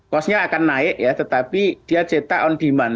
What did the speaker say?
cost nya akan naik tetapi dia cetak on demand